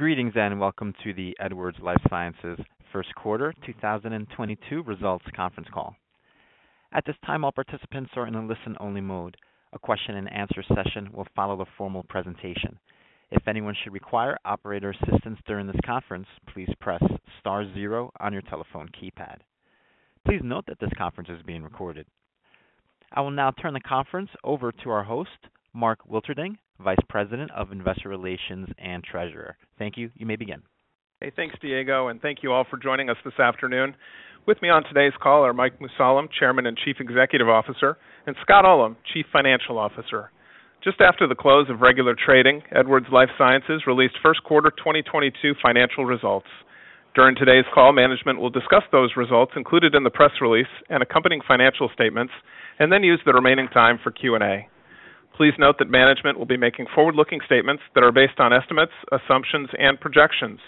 Greetings, and welcome to the Edwards Lifesciences first quarter 2022 results conference call. At this time, all participants are in a listen-only mode. A question-and-answer session will follow the formal presentation. If anyone should require operator assistance during this conference, please press star zero on your telephone keypad. Please note that this conference is being recorded. I will now turn the conference over to our host, Mark Wilterding, Vice President of Investor Relations and Treasurer. Thank you. You may begin. Hey, thanks, Diego, and thank you all for joining us this afternoon. With me on today's call are Mike Mussallem, Chairman and Chief Executive Officer, and Scott Ullem, Chief Financial Officer. Just after the close of regular trading, Edwards Lifesciences released first quarter 2022 financial results. During today's call, management will discuss those results included in the press release and accompanying financial statements and then use the remaining time for Q&A. Please note that management will be making forward-looking statements that are based on estimates, assumptions, and projections.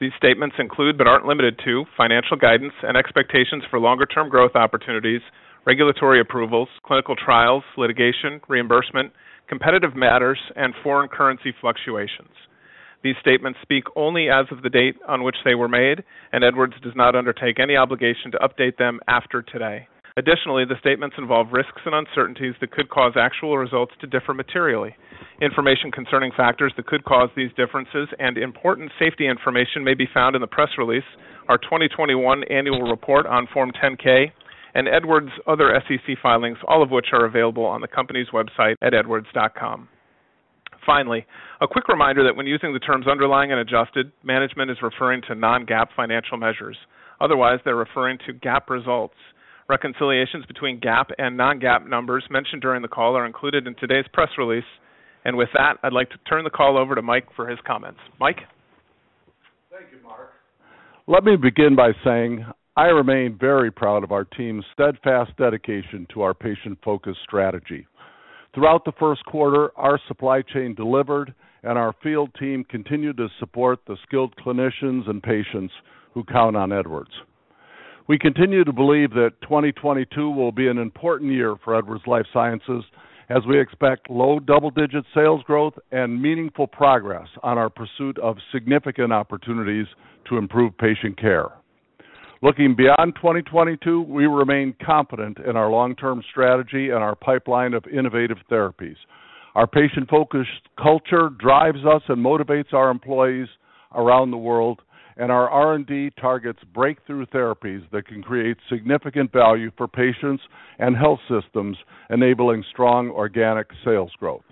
These statements include, but aren't limited to financial guidance and expectations for longer-term growth opportunities, regulatory approvals, clinical trials, litigation, reimbursement, competitive matters, and foreign currency fluctuations. These statements speak only as of the date on which they were made, and Edwards does not undertake any obligation to update them after today. Additionally, the statements involve risks and uncertainties that could cause actual results to differ materially. Information concerning factors that could cause these differences and important safety information may be found in the press release, our 2021 annual report on Form 10-K and Edwards' other SEC filings, all of which are available on the company's website at edwards.com. Finally, a quick reminder that when using the terms underlying and adjusted, management is referring to non-GAAP financial measures. Otherwise, they're referring to GAAP results. Reconciliations between GAAP and non-GAAP numbers mentioned during the call are included in today's press release. With that, I'd like to turn the call over to Mike for his comments. Mike. Thank you, Mark. Let me begin by saying I remain very proud of our team's steadfast dedication to our patient-focused strategy. Throughout the first quarter, our supply chain delivered, and our field team continued to support the skilled clinicians and patients who count on Edwards. We continue to believe that 2022 will be an important year for Edwards Lifesciences as we expect low double-digit sales growth and meaningful progress on our pursuit of significant opportunities to improve patient care. Looking beyond 2022, we remain confident in our long-term strategy and our pipeline of innovative therapies. Our patient-focused culture drives us and motivates our employees around the world, and our R&D targets breakthrough therapies that can create significant value for patients and health systems, enabling strong organic sales growth.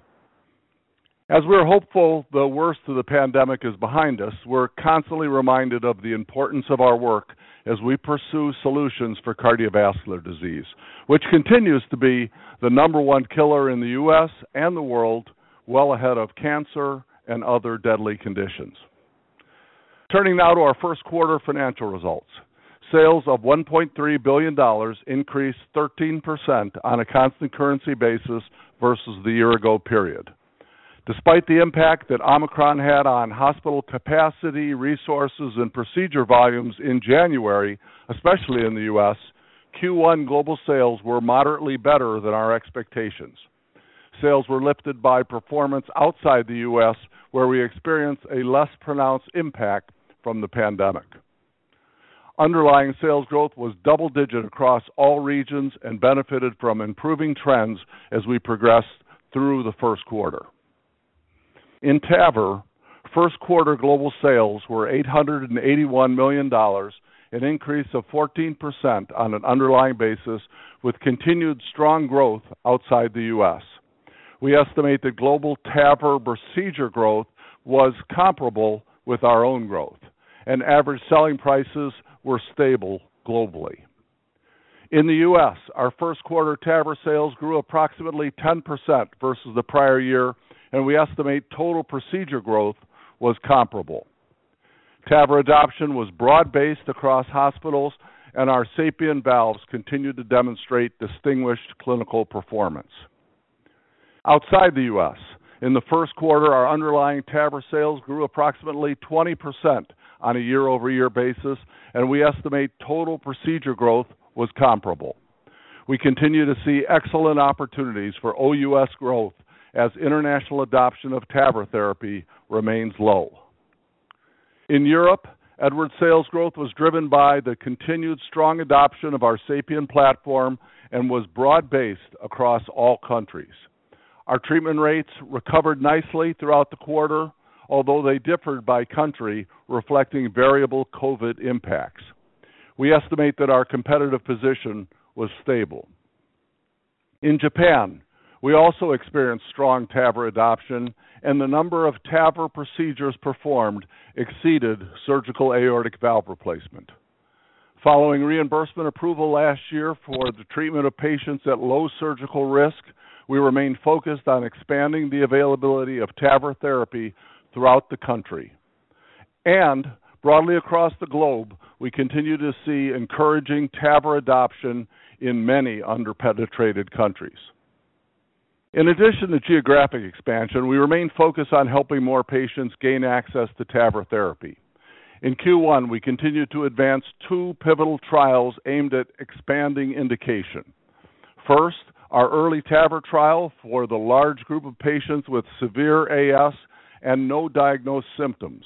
As we're hopeful the worst of the pandemic is behind us, we're constantly reminded of the importance of our work as we pursue solutions for cardiovascular disease, which continues to be the number one killer in the U.S. and the world well ahead of cancer and other deadly conditions. Turning now to our first quarter financial results. Sales of $1.3 billion increased 13% on a constant currency basis versus the year-ago period. Despite the impact that Omicron had on hospital capacity, resources, and procedure volumes in January, especially in the U.S., Q1 global sales were moderately better than our expectations. Sales were lifted by performance outside the U.S., where we experienced a less pronounced impact from the pandemic. Underlying sales growth was double digit across all regions and benefited from improving trends as we progressed through the first quarter. In TAVR, first quarter global sales were $881 million, an increase of 14% on an underlying basis with continued strong growth outside the U.S. We estimate the global TAVR procedure growth was comparable with our own growth, and average selling prices were stable globally. In the U.S., our first quarter TAVR sales grew approximately 10% versus the prior year, and we estimate total procedure growth was comparable. TAVR adoption was broad-based across hospitals, and our SAPIEN valves continued to demonstrate distinguished clinical performance. Outside the U.S., in the first quarter, our underlying TAVR sales grew approximately 20% on a year-over-year basis, and we estimate total procedure growth was comparable. We continue to see excellent opportunities for OUS growth as international adoption of TAVR therapy remains low. In Europe, Edwards sales growth was driven by the continued strong adoption of our SAPIEN platform and was broad-based across all countries. Our treatment rates recovered nicely throughout the quarter, although they differed by country, reflecting variable COVID impacts. We estimate that our competitive position was stable. In Japan, we also experienced strong TAVR adoption, and the number of TAVR procedures performed exceeded surgical aortic valve replacement. Following reimbursement approval last year for the treatment of patients at low surgical risk, we remain focused on expanding the availability of TAVR therapy throughout the country. Broadly across the globe, we continue to see encouraging TAVR adoption in many under-penetrated countries. In addition to geographic expansion, we remain focused on helping more patients gain access to TAVR therapy. In Q1, we continued to advance two pivotal trials aimed at expanding indication. First, our EARLY TAVR trial for the large group of patients with severe AS and no diagnosed symptoms.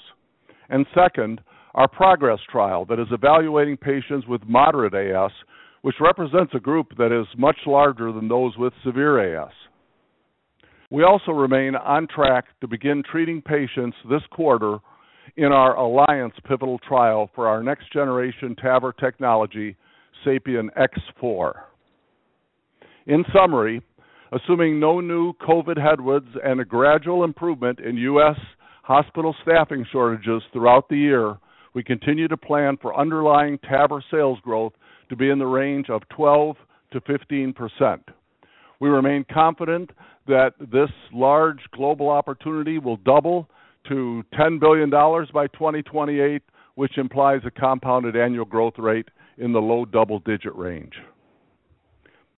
Second, our PROGRESS trial that is evaluating patients with moderate AS, which represents a group that is much larger than those with severe AS. We also remain on track to begin treating patients this quarter in our ALLIANCE pivotal trial for our next generation TAVR technology, SAPIEN X4. In summary, assuming no new COVID headwinds and a gradual improvement in U.S. hospital staffing shortages throughout the year, we continue to plan for underlying TAVR sales growth to be in the range of 12%-15%. We remain confident that this large global opportunity will double to $10 billion by 2028, which implies a compounded annual growth rate in the low double-digit range.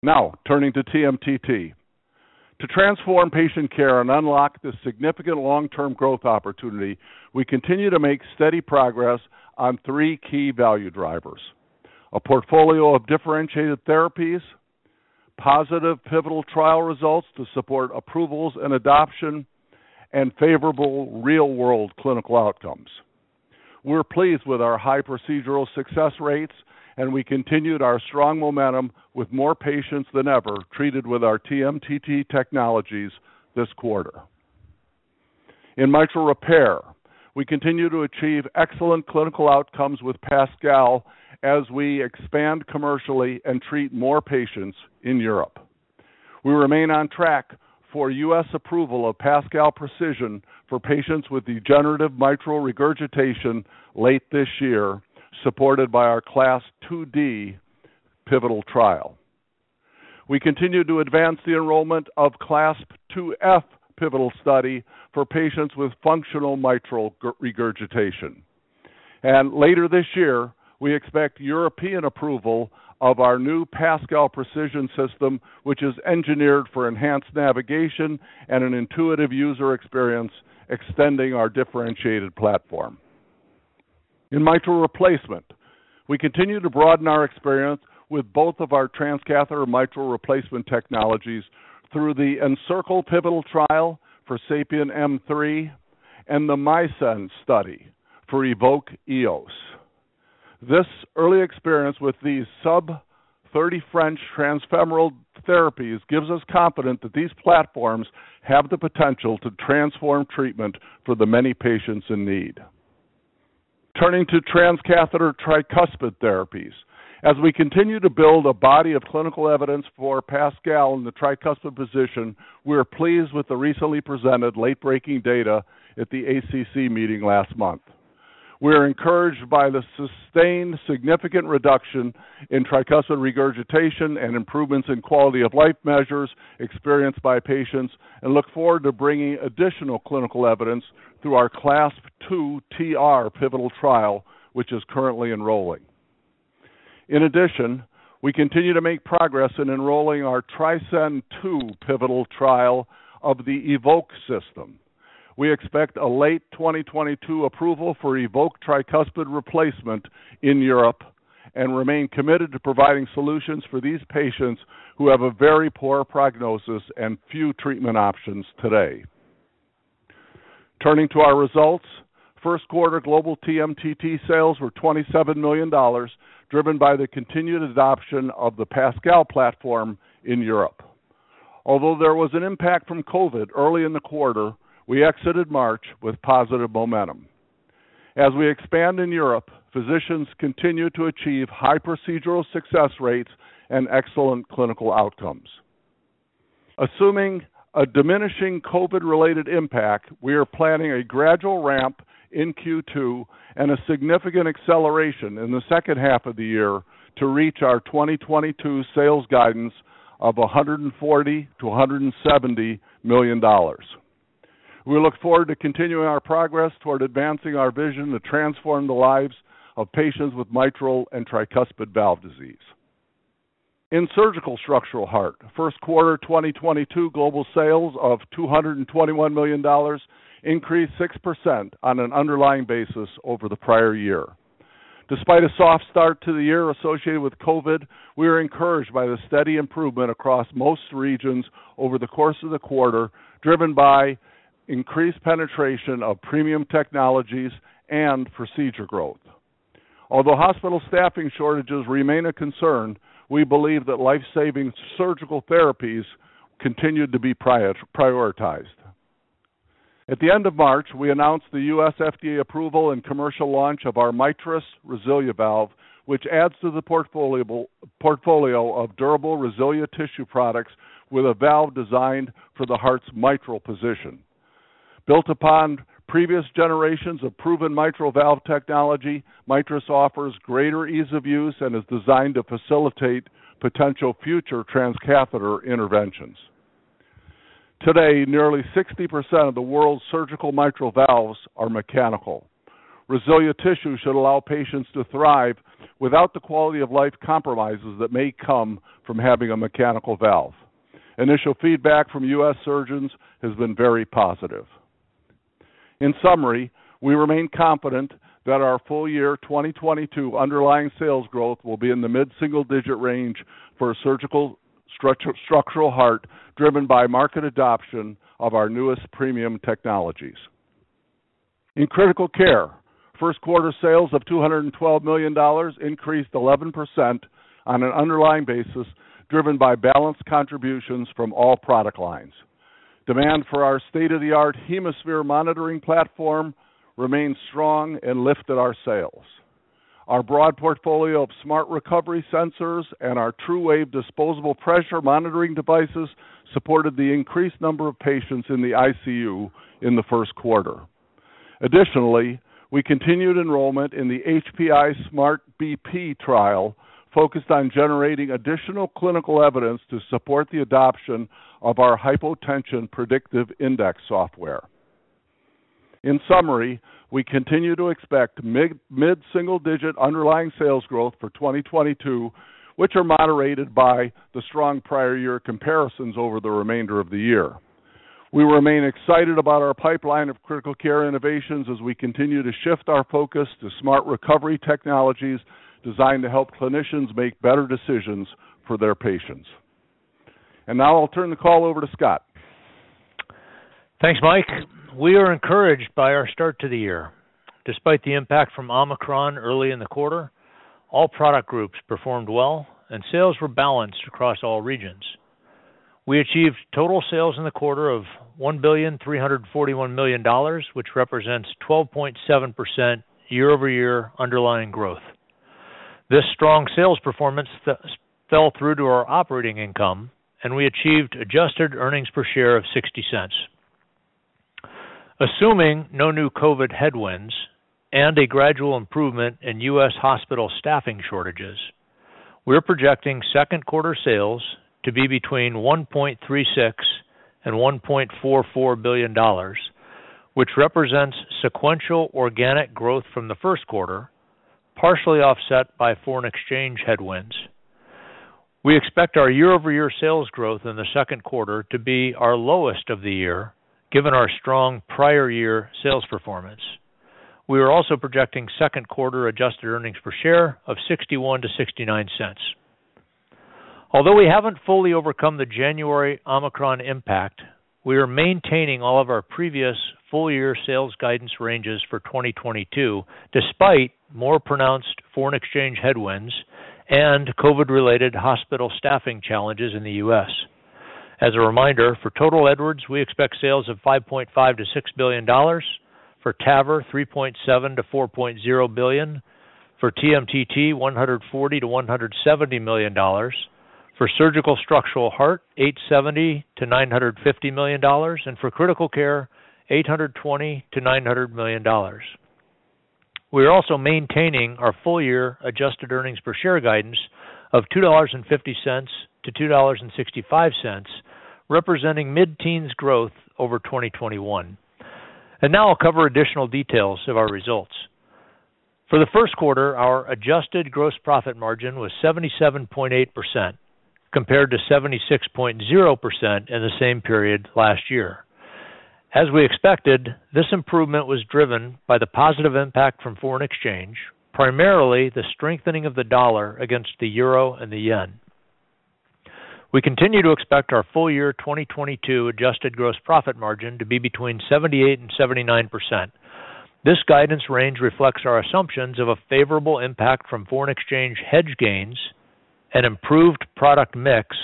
Now turning to TMTT. To transform patient care and unlock the significant long-term growth opportunity, we continue to make steady progress on three key value drivers. A portfolio of differentiated therapies, positive pivotal trial results to support approvals and adoption, and favorable real-world clinical outcomes. We're pleased with our high procedural success rates, and we continued our strong momentum with more patients than ever treated with our TMTT technologies this quarter. In mitral repair, we continue to achieve excellent clinical outcomes with PASCAL as we expand commercially and treat more patients in Europe. We remain on track for U.S. approval of PASCAL Precision for patients with degenerative mitral regurgitation late this year, supported by our CLASP IID pivotal trial. We continue to advance the enrollment of CLASP IIF pivotal study for patients with functional mitral regurgitation. Later this year, we expect European approval of our new PASCAL Precision system, which is engineered for enhanced navigation and an intuitive user experience extending our differentiated platform. In mitral replacement, we continue to broaden our experience with both of our transcatheter mitral replacement technologies through the ENCIRCLE pivotal trial for SAPIEN M3 and the MISCEND study for EVOQUE EOS. This early experience with these sub-30 French transfemoral therapies gives us confidence that these platforms have the potential to transform treatment for the many patients in need. Turning to transcatheter tricuspid therapies, as we continue to build a body of clinical evidence for PASCAL in the tricuspid position, we are pleased with the recently presented late-breaking data at the ACC meeting last month. We are encouraged by the sustained significant reduction in tricuspid regurgitation and improvements in quality-of-life measures experienced by patients and look forward to bringing additional clinical evidence through our CLASP II TR pivotal trial, which is currently enrolling. In addition, we continue to make progress in enrolling our TRISCEND II pivotal trial of the EVOQUE system. We expect a late 2022 approval for EVOQUE tricuspid replacement in Europe and remain committed to providing solutions for these patients who have a very poor prognosis and few treatment options today. Turning to our results. First quarter global TMTT sales were $27 million, driven by the continued adoption of the PASCAL platform in Europe. Although there was an impact from COVID early in the quarter, we exited March with positive momentum. As we expand in Europe, physicians continue to achieve high procedural success rates and excellent clinical outcomes. Assuming a diminishing COVID-related impact, we are planning a gradual ramp in Q2 and a significant acceleration in the second half of the year to reach our 2022 sales guidance of $140 million-$170 million. We look forward to continuing our progress toward advancing our vision to transform the lives of patients with mitral and tricuspid valve disease. In Surgical Structural Heart, first quarter 2022 global sales of $221 million increased 6% on an underlying basis over the prior year. Despite a soft start to the year associated with COVID, we are encouraged by the steady improvement across most regions over the course of the quarter, driven by increased penetration of premium technologies and procedure growth. Although hospital staffing shortages remain a concern, we believe that life-saving surgical therapies continued to be prioritized. At the end of March, we announced the U.S. FDA approval and commercial launch of our MITRIS RESILIA valve, which adds to the portfolio of durable RESILIA tissue products with a valve designed for the heart's mitral position. Built upon previous generations of proven mitral valve technology, MITRIS offers greater ease of use and is designed to facilitate potential future transcatheter interventions. Today, nearly 60% of the world's surgical mitral valves are mechanical. RESILIA tissue should allow patients to thrive without the quality-of-life compromises that may come from having a mechanical valve. Initial feedback from U.S. surgeons has been very positive. In summary, we remain confident that our full year 2022 underlying sales growth will be in the mid-single-digit range for surgical structural heart, driven by market adoption of our newest premium technologies. In Critical Care, first quarter sales of $212 million increased 11% on an underlying basis, driven by balanced contributions from all product lines. Demand for our state-of-the-art HemoSphere monitoring platform remained strong and lifted our sales. Our broad portfolio of Smart Recovery sensors and our TruWave disposable pressure monitoring devices supported the increased number of patients in the ICU in the first quarter. Additionally, we continued enrollment in the HPI SMART-BP trial, focused on generating additional clinical evidence to support the adoption of our Hypotension Prediction Index software. In summary, we continue to expect mid-single digit underlying sales growth for 2022, which are moderated by the strong prior year comparisons over the remainder of the year. We remain excited about our pipeline of Critical Care innovations as we continue to shift our focus to Smart Recovery technologies designed to help clinicians make better decisions for their patients. Now I'll turn the call over to Scott. Thanks, Mike. We are encouraged by our start to the year. Despite the impact from Omicron early in the quarter, all product groups performed well and sales were balanced across all regions. We achieved total sales in the quarter of $1.341 billion, which represents 12.7% year-over-year underlying growth. This strong sales performance fell through to our operating income, and we achieved adjusted earnings per share of $0.60. Assuming no new COVID headwinds and a gradual improvement in U.S. hospital staffing shortages, we're projecting second quarter sales to be between $1.36 billion and $1.44 billion, which represents sequential organic growth from the first quarter, partially offset by foreign exchange headwinds. We expect our year-over-year sales growth in the second quarter to be our lowest of the year, given our strong prior year sales performance. We are also projecting second quarter adjusted earnings per share of $0.61-$0.69. Although we haven't fully overcome the January Omicron impact, we are maintaining all of our previous full-year sales guidance ranges for 2022, despite more pronounced foreign exchange headwinds and COVID-related hospital staffing challenges in the U.S. As a reminder, for total Edwards, we expect sales of $5.5 billion-$6 billion. For TAVR, $3.7 billion-$4.0 billion. For TMTT, $140 million-$170 million. For surgical structural heart, $870 million-$950 million. For Critical Care, $820 million-$900 million. We are also maintaining our full-year adjusted earnings per share guidance of $2.50-$2.65, representing mid-teens growth over 2021. Now I'll cover additional details of our results. For the first quarter, our adjusted gross profit margin was 77.8% compared to 76.0% in the same period last year. As we expected, this improvement was driven by the positive impact from foreign exchange, primarily the strengthening of the dollar against the euro and the yen. We continue to expect our full year 2022 adjusted gross profit margin to be between 78% and 79%. This guidance range reflects our assumptions of a favorable impact from foreign exchange hedge gains and improved product mix,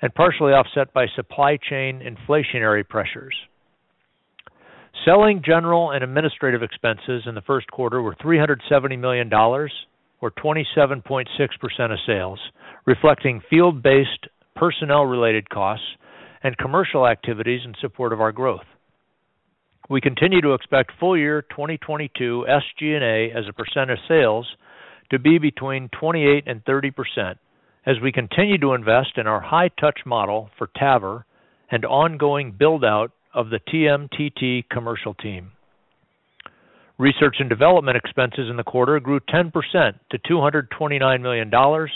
and partially offset by supply chain inflationary pressures. Selling, general, and administrative expenses in the first quarter were $370 million or 27.6% of sales, reflecting field-based personnel related costs and commercial activities in support of our growth. We continue to expect full year 2022 SG&A as a percent of sales to be between 28%-30% as we continue to invest in our high touch model for TAVR and ongoing build-out of the TMTT commercial team. Research and development expenses in the quarter grew 10% to $229 million or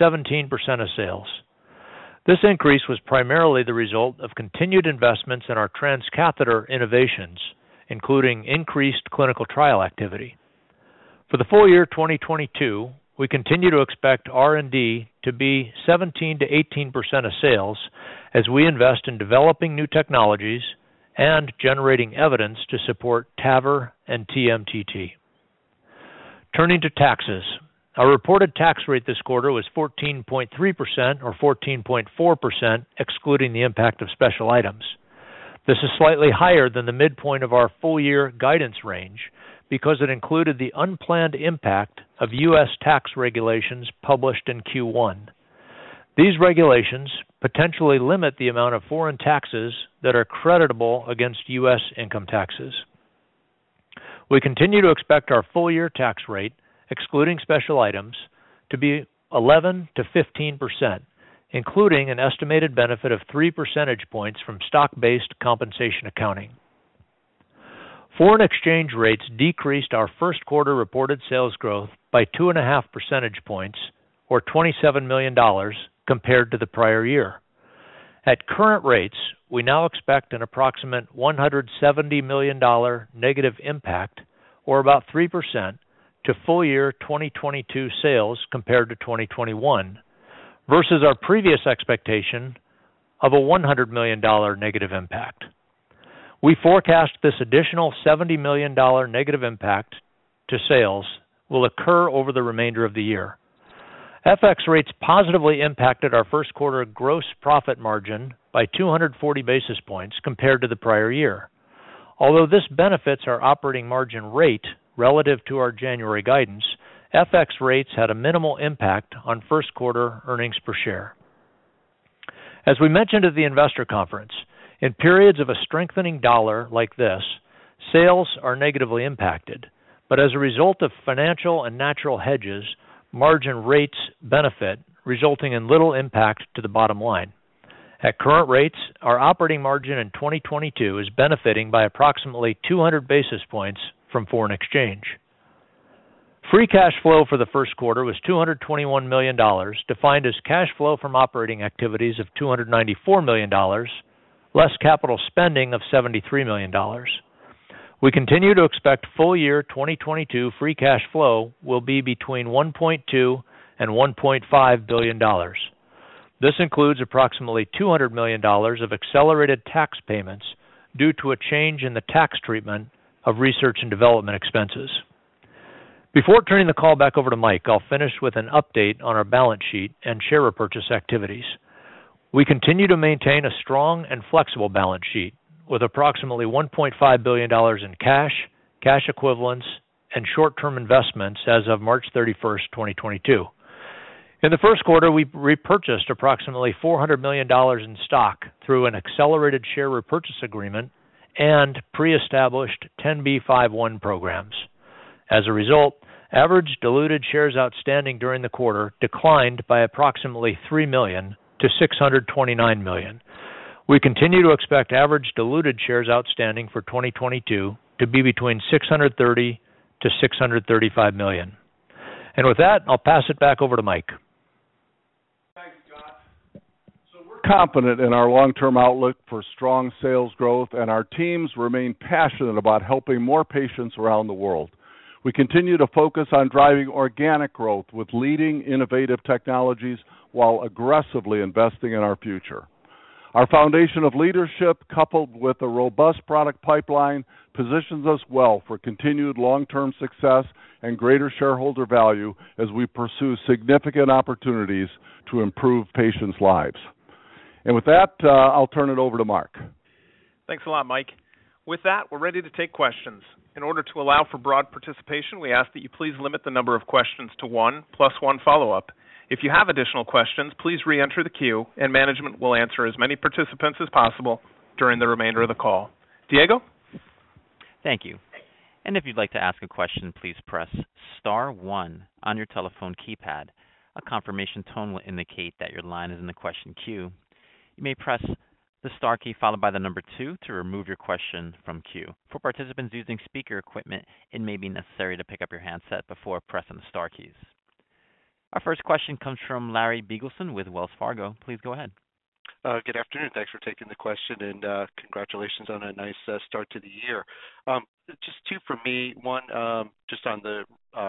17% of sales. This increase was primarily the result of continued investments in our transcatheter innovations, including increased clinical trial activity. For the full year 2022, we continue to expect R&D to be 17%-18% of sales as we invest in developing new technologies and generating evidence to support TAVR and TMTT. Turning to taxes. Our reported tax rate this quarter was 14.3% or 14.4%, excluding the impact of special items. This is slightly higher than the midpoint of our full-year guidance range because it included the unplanned impact of U.S. tax regulations published in Q1. These regulations potentially limit the amount of foreign taxes that are creditable against U.S. income taxes. We continue to expect our full-year tax rate, excluding special items, to be 11%-15%, including an estimated benefit of 3 percentage points from stock-based compensation accounting. Foreign exchange rates decreased our first quarter reported sales growth by 2.5 percentage points or $27 million compared to the prior year. At current rates, we now expect an approximate $170 million negative impact, or about 3% to full-year 2022 sales compared to 2021 versus our previous expectation of a $100 million negative impact. We forecast this additional $70 million negative impact to sales will occur over the remainder of the year. FX rates positively impacted our first quarter gross profit margin by 240 basis points compared to the prior year. Although this benefits our operating margin rate relative to our January guidance, FX rates had a minimal impact on first quarter earnings per share. As we mentioned at the investor conference, in periods of a strengthening dollar like this, sales are negatively impacted. As a result of financial and natural hedges, margin rates benefit, resulting in little impact to the bottom line. At current rates, our operating margin in 2022 is benefiting by approximately 200 basis points from foreign exchange. Free cash flow for the first quarter was $221 million, defined as cash flow from operating activities of $294 million, less capital spending of $73 million. We continue to expect full year 2022 free cash flow will be between $1.2 billion and $1.5 billion. This includes approximately $200 million of accelerated tax payments due to a change in the tax treatment of research and development expenses. Before turning the call back over to Mike, I'll finish with an update on our balance sheet and share repurchase activities. We continue to maintain a strong and flexible balance sheet with approximately $1.5 billion in cash equivalents and short-term investments as of March 31, 2022. In the first quarter, we repurchased approximately $400 million in stock through an accelerated share repurchase agreement and pre-established 10b5-1 programs. As a result, average diluted shares outstanding during the quarter declined by approximately 3 million to 629 million. We continue to expect average diluted shares outstanding for 2022 to be between 630 million-635 million. With that, I'll pass it back over to Mike. Thank you, Scott. We're confident in our long-term outlook for strong sales growth, and our teams remain passionate about helping more patients around the world. We continue to focus on driving organic growth with leading innovative technologies while aggressively investing in our future. Our foundation of leadership, coupled with a robust product pipeline, positions us well for continued long-term success and greater shareholder value as we pursue significant opportunities to improve patients' lives. With that, I'll turn it over to Mark. Thanks a lot, Mike. With that, we're ready to take questions. In order to allow for broad participation, we ask that you please limit the number of questions to one plus one follow-up. If you have additional questions, please re-enter the queue and management will answer as many participants as possible during the remainder of the call. Diego. Thank you. If you'd like to ask a question, please press star one on your telephone keypad. A confirmation tone will indicate that your line is in the question queue. You may press the star key followed by the number two to remove your question from queue. For participants using speaker equipment, it may be necessary to pick up your handset before pressing the star keys. Our first question comes from Larry Biegelsen with Wells Fargo. Please go ahead. Good afternoon. Thanks for taking the question and, congratulations on a nice start to the year. Just two for me. One, just on the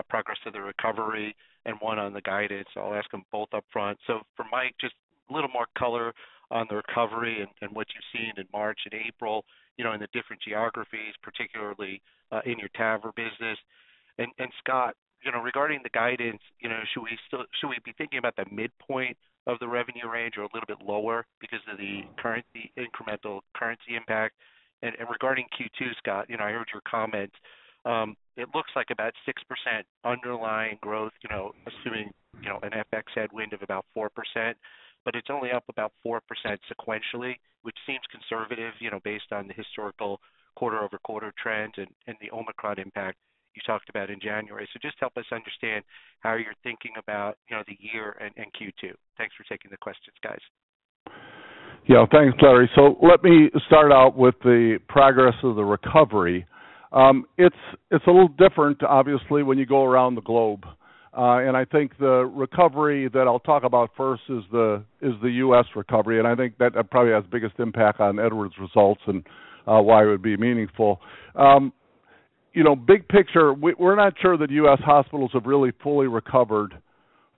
progress of the recovery and one on the guidance. I'll ask them both upfront. For Mike, just a little more color on the recovery and what you've seen in March and April, you know, in the different geographies, particularly in your TAVR business. Scott, you know, regarding the guidance, you know, should we be thinking about the midpoint of the revenue range or a little bit lower because of the incremental currency impact? Regarding Q2, Scott, you know, I heard your comment. It looks like about 6% underlying growth, you know, assuming, you know, an FX headwind of about 4%, but it's only up about 4% sequentially, which seems conservative, you know, based on the historical quarter-over-quarter trend and the Omicron impact you talked about in January. Just help us understand how you're thinking about, you know, the year and Q2. Thanks for taking the questions, guys. Yeah. Thanks, Larry. Let me start out with the progress of the recovery. It's a little different, obviously, when you go around the globe. I think the recovery that I'll talk about first is the U.S. recovery, and I think that probably has the biggest impact on Edwards results and why it would be meaningful. You know, big picture, we're not sure that U.S. hospitals have really fully recovered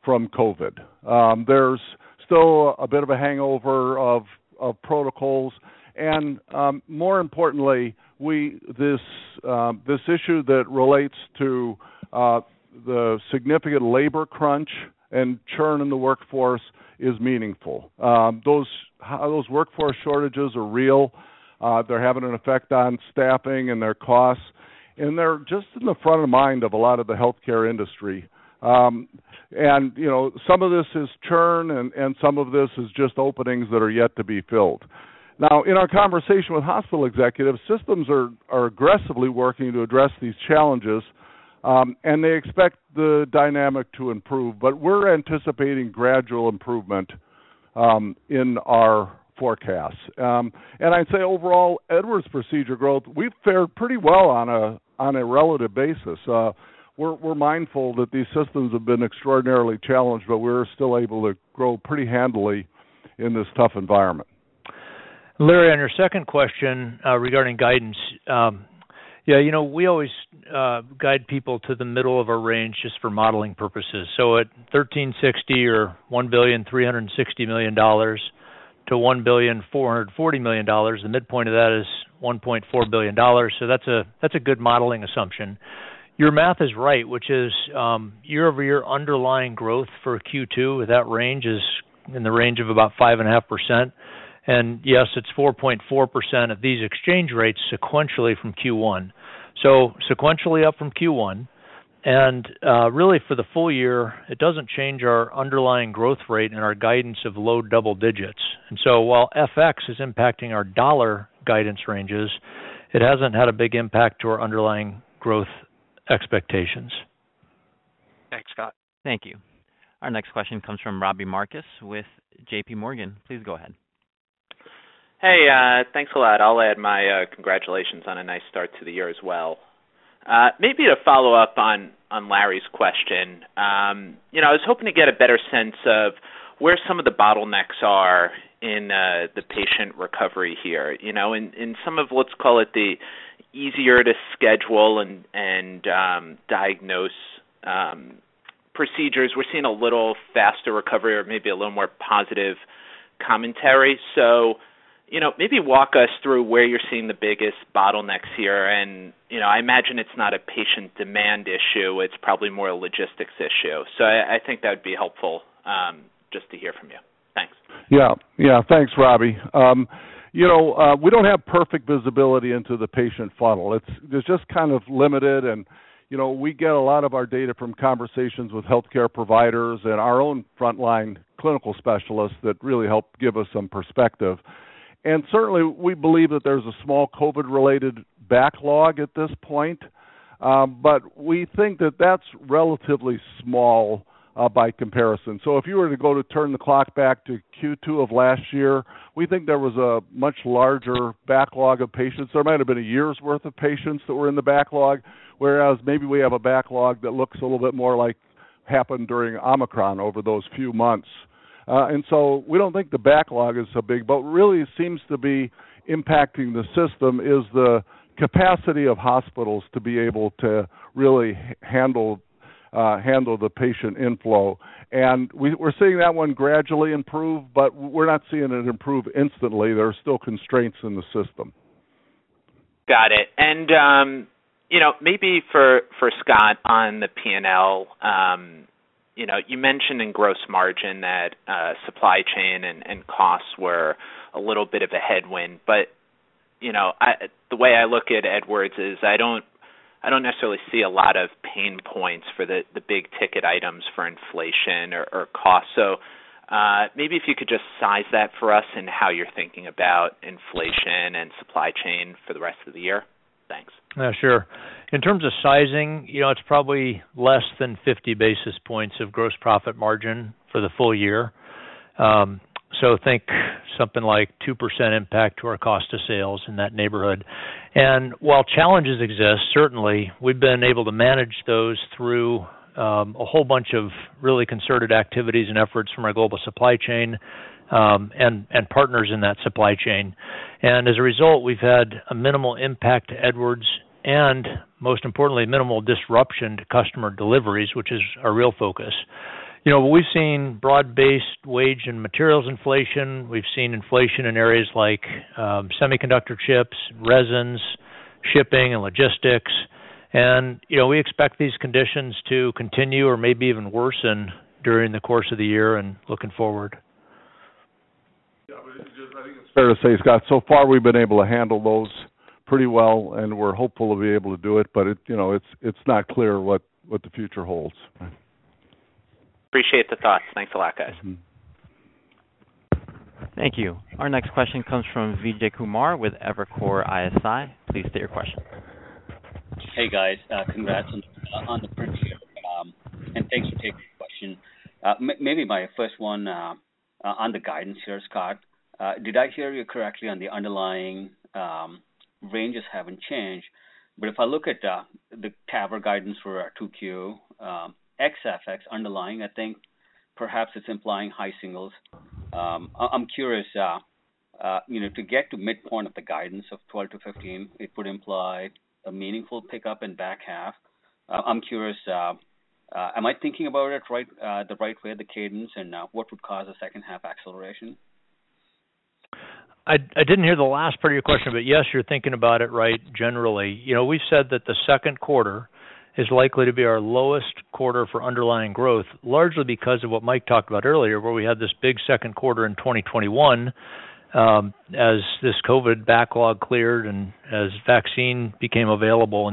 from COVID. There's still a bit of a hangover of protocols. More importantly, this issue that relates to the significant labor crunch and churn in the workforce is meaningful. Those workforce shortages are real. They're having an effect on staffing and their costs, and they're just in the front of mind of a lot of the healthcare industry. You know, some of this is churn and some of this is just openings that are yet to be filled. Now, in our conversation with hospital executives, systems are aggressively working to address these challenges, and they expect the dynamic to improve. We're anticipating gradual improvement in our forecasts. I'd say overall, Edwards procedure growth, we've fared pretty well on a relative basis. We're mindful that these systems have been extraordinarily challenged, but we're still able to grow pretty handily in this tough environment. Larry, on your second question regarding guidance. Yeah, you know, we always guide people to the middle of a range just for modeling purposes. At $1.36 billion-$1.44 billion, the midpoint of that is $1.4 billion. That's a good modeling assumption. Your math is right, which is year-over-year underlying growth for Q2 with that range is in the range of about 5.5%. Yes, it's 4.4% at these exchange rates sequentially from Q1. Sequentially up from Q1. Really for the full year, it doesn't change our underlying growth rate and our guidance of low double digits. While FX is impacting our dollar guidance ranges, it hasn't had a big impact to our underlying growth expectations. Thanks, Scott. Thank you. Our next question comes from Robbie Marcus with JPMorgan. Please go ahead. Hey, thanks a lot. I'll add my congratulations on a nice start to the year as well. Maybe to follow up on Larry's question. You know, I was hoping to get a better sense of where some of the bottlenecks are in the patient recovery here. You know, in some of, let's call it, the easier to schedule and diagnose procedures. We're seeing a little faster recovery or maybe a little more positive commentary. You know, maybe walk us through where you're seeing the biggest bottlenecks here. You know, I imagine it's not a patient demand issue, it's probably more a logistics issue. I think that'd be helpful, just to hear from you. Thanks. Yeah. Yeah. Thanks, Robbie. We don't have perfect visibility into the patient funnel. They're just kind of limited. You know, we get a lot of our data from conversations with healthcare providers and our own frontline clinical specialists that really help give us some perspective. Certainly, we believe that there's a small COVID-related backlog at this point. We think that that's relatively small, by comparison. If you were to turn the clock back to Q2 of last year, we think there was a much larger backlog of patients. There might have been a year's worth of patients that were in the backlog, whereas maybe we have a backlog that looks a little bit more like happened during Omicron over those few months. We don't think the backlog is so big, but what really seems to be impacting the system is the capacity of hospitals to be able to really handle the patient inflow. We're seeing that one gradually improve, but we're not seeing it improve instantly. There are still constraints in the system. Got it. You know, maybe for Scott on the P&L. You know, you mentioned in gross margin that supply chain and costs were a little bit of a headwind. You know, the way I look at Edwards is I don't necessarily see a lot of pain points for the big ticket items for inflation or cost. Maybe if you could just size that for us and how you're thinking about inflation and supply chain for the rest of the year. Thanks. Yeah, sure. In terms of sizing, you know, it's probably less than 50 basis points of gross profit margin for the full year. Think something like 2% impact to our cost of sales in that neighborhood. While challenges exist, certainly, we've been able to manage those through a whole bunch of really concerted activities and efforts from our global supply chain and partners in that supply chain. As a result, we've had a minimal impact to Edwards and most importantly, minimal disruption to customer deliveries, which is our real focus. You know, we've seen broad-based wage and materials inflation. We've seen inflation in areas like semiconductor chips, resins, shipping and logistics. You know, we expect these conditions to continue or maybe even worsen during the course of the year and looking forward. Yeah. I think it's fair to say, Scott, so far we've been able to handle those pretty well, and we're hopeful we'll be able to do it. It, you know, it's not clear what the future holds. Appreciate the thoughts. Thanks a lot, guys. Thank you. Our next question comes from Vijay Kumar with Evercore ISI. Please state your question. Hey, guys. Congrats on the print here. And thanks for taking the question. Maybe my first one on the guidance here, Scott. Did I hear you correctly on the underlying ranges haven't changed? If I look at the TAVR guidance for 2Q ex-FX underlying, I think perhaps it's implying high singles. I'm curious, you know, to get to midpoint of the guidance of 12%-15%, it would imply a meaningful pickup in back half. I'm curious, am I thinking about it the right way, the cadence? What would cause a second half acceleration? I didn't hear the last part of your question, but yes, you're thinking about it right generally. You know, we've said that the second quarter is likely to be our lowest quarter for underlying growth, largely because of what Mike talked about earlier, where we had this big second quarter in 2021, as this COVID backlog cleared and as vaccine became available.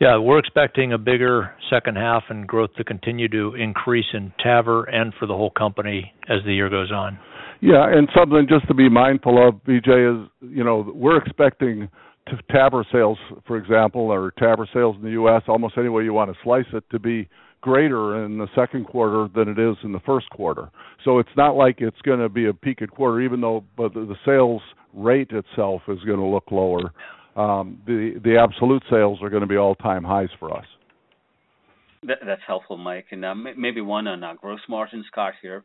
Yeah, we're expecting a bigger second half and growth to continue to increase in TAVR and for the whole company as the year goes on. Yeah. Something just to be mindful of, Vijay, is, you know, we're expecting TAVR sales, for example, or TAVR sales in the U.S. almost any way you want to slice it to be greater in the second quarter than it is in the first quarter. It's not like it's gonna be a peak at quarter, even though, but the sales rate itself is gonna look lower. The absolute sales are gonna be all-time highs for us. That's helpful, Mike. Maybe one on our gross margins, Scott here.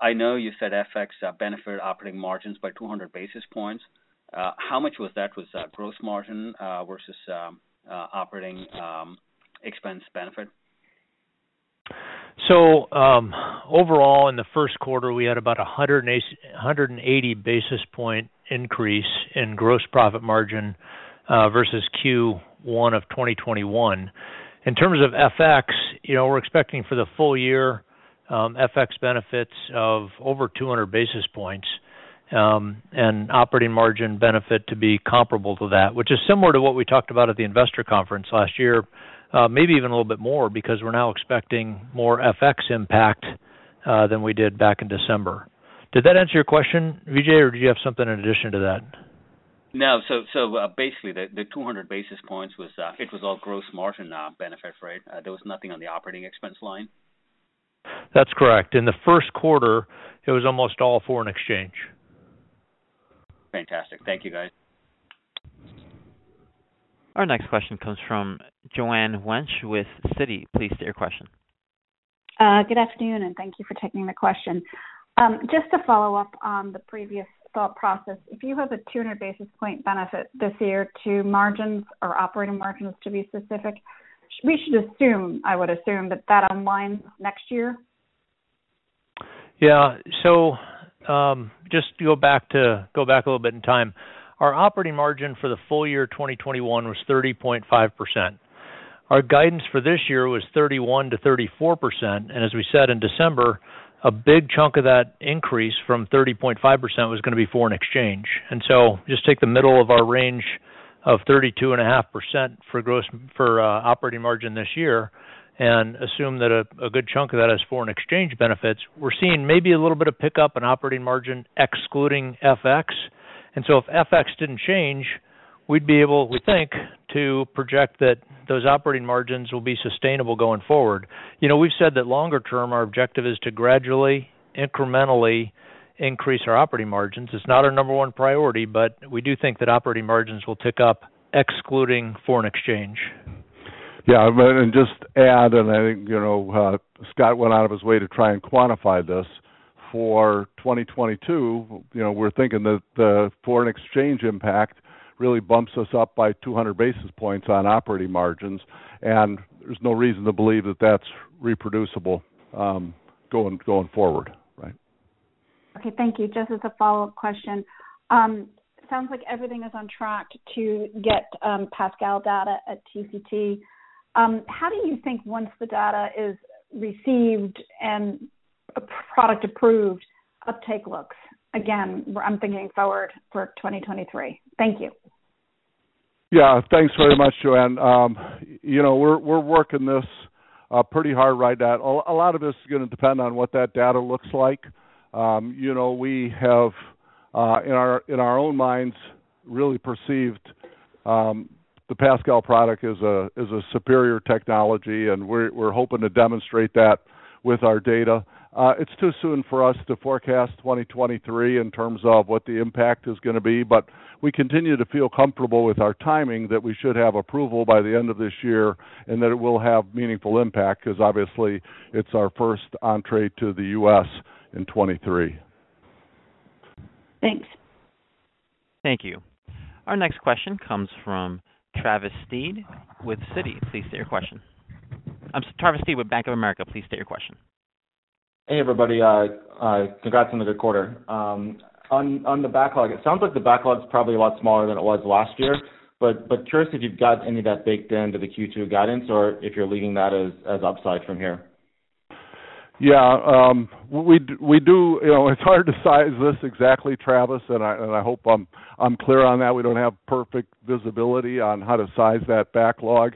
I know you said FX benefited operating margins by 200 basis points. How much was that with the gross margin versus operating expense benefit? Overall, in the first quarter, we had about 180 basis point increase in gross profit margin versus Q1 of 2021. In terms of FX, you know, we're expecting for the full year, FX benefits of over 200 basis points, and operating margin benefit to be comparable to that. Which is similar to what we talked about at the investor conference last year, maybe even a little bit more because we're now expecting more FX impact than we did back in December. Did that answer your question, Vijay, or do you have something in addition to that? No. Basically, the 200 basis points was all gross margin benefit, right? There was nothing on the operating expense line. That's correct. In the first quarter, it was almost all foreign exchange. Fantastic. Thank you, guys. Our next question comes from Joanne Wuensch with Citi. Please state your question. Good afternoon, and thank you for taking the question. Just to follow up on the previous thought process, if you have a 200 basis point benefit this year to margins or operating margins to be specific, we should assume, I would assume, that that unwinds next year? Yeah. Just to go back a little bit in time, our operating margin for the full year 2021 was 30.5%. Our guidance for this year was 31%-34%, and as we said in December, a big chunk of that increase from 30.5% was gonna be foreign exchange. Just take the middle of our range of 32.5% for operating margin this year and assume that a good chunk of that is foreign exchange benefits. We're seeing maybe a little bit of pickup in operating margin excluding FX. If FX didn't change, we'd be able, we think, to project that those operating margins will be sustainable going forward. You know, we've said that longer term, our objective is to gradually, incrementally increase our operating margins. It's not our number one priority, but we do think that operating margins will tick up excluding foreign exchange. Yeah. Just to add, I think, you know, Scott went out of his way to try and quantify this. For 2022, you know, we're thinking that the foreign exchange impact really bumps us up by 200 basis points on operating margins, and there's no reason to believe that that's reproducible, going forward, right. Okay, thank you. Just as a follow-up question. Sounds like everything is on track to get PASCAL data at TCT. How do you think once the data is received and product approved, uptake looks? Again, I'm thinking forward for 2023. Thank you. Yeah. Thanks very much, Joanne. You know, we're working this pretty hard right now. A lot of this is gonna depend on what that data looks like. You know, we have in our own minds really perceived the PASCAL product as a superior technology, and we're hoping to demonstrate that with our data. It's too soon for us to forecast 2023 in terms of what the impact is gonna be, but we continue to feel comfortable with our timing that we should have approval by the end of this year, and that it will have meaningful impact because obviously it's our first entree to the U.S. in 2023. Thanks. Thank you. Our next question comes from Travis Steed with Citi. Please state your question. I'm sorry, Travis Steed with Bank of America, please state your question. Hey, everybody. Congrats on the good quarter. On the backlog, it sounds like the backlog is probably a lot smaller than it was last year. Curious if you've got any of that baked into the Q2 guidance or if you're leaving that as upside from here. You know, it's hard to size this exactly, Travis, and I hope I'm clear on that. We don't have perfect visibility on how to size that backlog.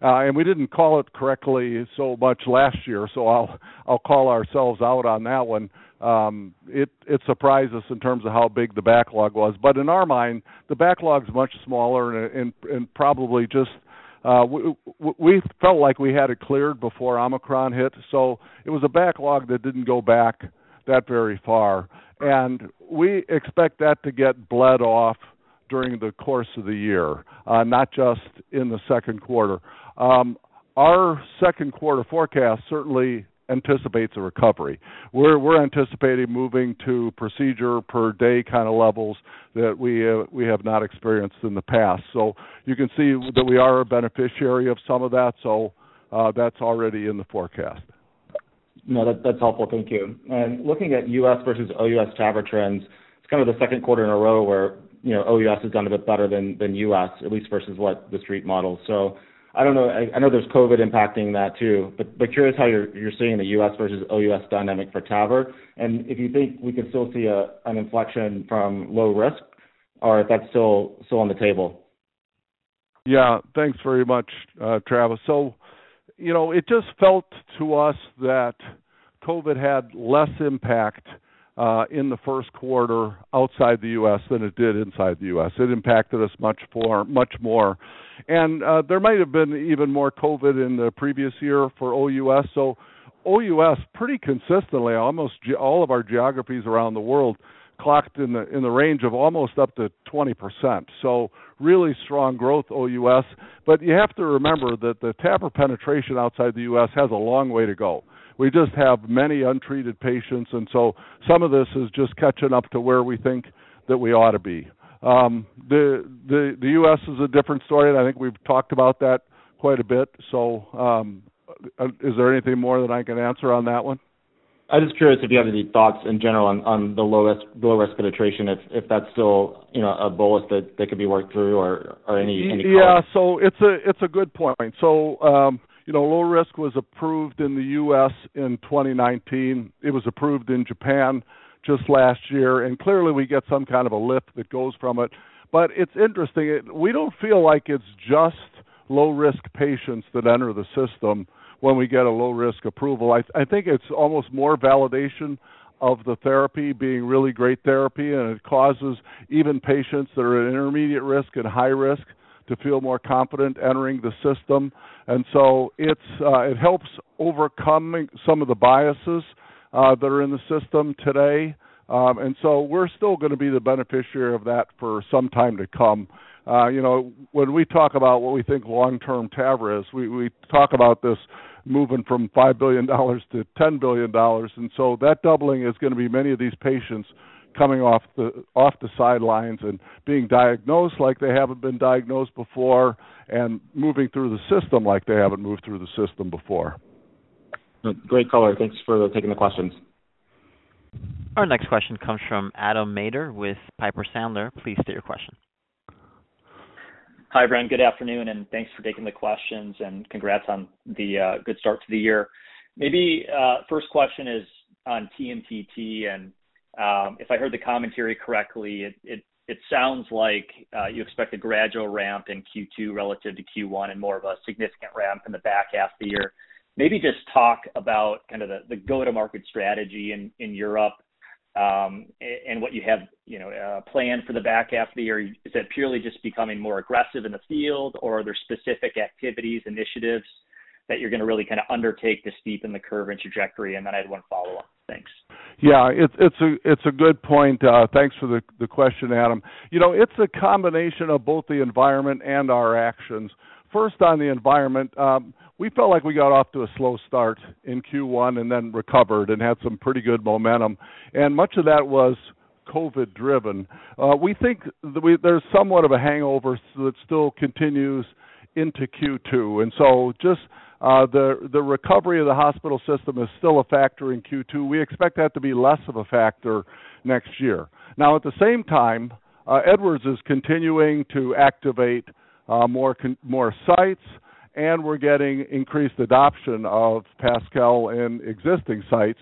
We didn't call it correctly so much last year, so I'll call ourselves out on that one. It surprised us in terms of how big the backlog was. In our mind, the backlog is much smaller and probably just. We felt like we had it cleared before Omicron hit, so it was a backlog that didn't go back that very far. We expect that to get bled off during the course of the year, not just in the second quarter. Our second quarter forecast certainly anticipates a recovery. We're anticipating moving to procedure per day kinda levels that we have not experienced in the past. You can see that we are a beneficiary of some of that's already in the forecast. No, that's helpful. Thank you. Looking at U.S. versus OUS TAVR trends, it's kind of the second quarter in a row where, you know, OUS has done a bit better than U.S., at least versus what The Street models. I don't know, I know there's COVID impacting that too, but curious how you're seeing the U.S. versus OUS dynamic for TAVR, and if you think we could still see an inflection from low risk or if that's still on the table. Yeah. Thanks very much, Travis. You know, it just felt to us that COVID had less impact in the first quarter outside the U.S. than it did inside the U.S. It impacted us much more. There might have been even more COVID in the previous year for OUS. OUS pretty consistently, almost all of our geographies around the world clocked in the range of almost up to 20%. Really strong growth OUS. You have to remember that the TAVR penetration outside the U.S. has a long way to go. We just have many untreated patients, and so some of this is just catching up to where we think that we ought to be. The U.S. is a different story, and I think we've talked about that quite a bit. Is there anything more that I can answer on that one? I'm just curious if you have any thoughts in general on the low-risk penetration, if that's still, you know, a bullet that could be worked through or any color. Yeah. It's a good point. You know, low-risk was approved in the U.S. in 2019. It was approved in Japan just last year, and clearly, we get some kind of a lift that goes from it. But it's interesting. We don't feel like it's just low-risk patients that enter the system when we get a low-risk approval. I think it's almost more validation of the therapy being really great therapy, and it causes even patients that are at an intermediate risk and high risk to feel more confident entering the system. It helps overcoming some of the biases that are in the system today. We're still gonna be the beneficiary of that for some time to come. You know, when we talk about what we think long-term TAVR is, we talk about this moving from $5 billion-$10 billion. That doubling is gonna be many of these patients coming off the sidelines and being diagnosed like they haven't been diagnosed before and moving through the system like they haven't moved through the system before. Great color. Thanks for taking the questions. Our next question comes from Adam Maeder with Piper Sandler. Please state your question. Hi, Mike. Good afternoon, and thanks for taking the questions, and congrats on the good start to the year. Maybe first question is on TMTT. If I heard the commentary correctly, it sounds like you expect a gradual ramp in Q2 relative to Q1 and more of a significant ramp in the back half of the year. Maybe just talk about kind of the go-to-market strategy in Europe, and what you have, you know, planned for the back half of the year. Is that purely just becoming more aggressive in the field, or are there specific activities, initiatives that you're gonna really kinda undertake to steepen the curve and trajectory? Then I'd one follow-up. Thanks. Yeah. It's a good point. Thanks for the question, Adam. You know, it's a combination of both the environment and our actions. First, on the environment, we felt like we got off to a slow start in Q1 and then recovered and had some pretty good momentum, and much of that was COVID-driven. We think there's somewhat of a hangover that still continues into Q2, and so just the recovery of the hospital system is still a factor in Q2. We expect that to be less of a factor next year. Now, at the same time, Edwards is continuing to activate more sites, and we're getting increased adoption of PASCAL in existing sites.